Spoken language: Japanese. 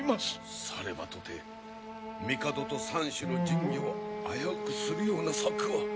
さればとて帝と三種の神器を危うくするような策は。